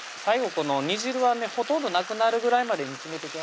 この煮汁はねほとんどなくなるぐらいまで煮詰めてください